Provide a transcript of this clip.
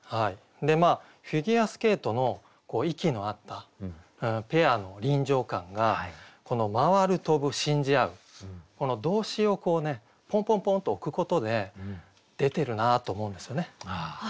フィギュアスケートの息の合ったペアの臨場感がこの「回る跳ぶ信じ合ふ」動詞をこうねポンポンポンと置くことで出てるなと思うんですよね。